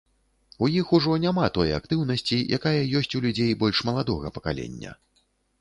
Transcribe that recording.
У іх ужо няма той актыўнасці, якая ёсць у людзей больш маладога пакалення.